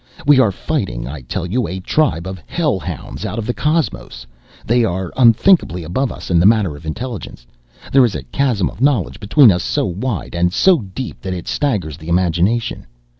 We are fighting, I tell you, a tribe of hellhounds out of the cosmos. They are unthinkably above us in the matter of intelligence. There is a chasm of knowledge between us so wide and so deep that it staggers the imagination.